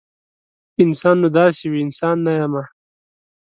انسان نو داسې وي؟ انسان نه یمه